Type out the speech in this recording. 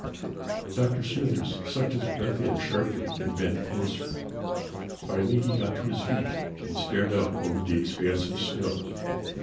Dr. Smithers sucked his breath in sharply and bent closer. Finally, he got to his feet and stared out over the expanse of snow.